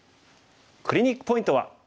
クリニックポイントは。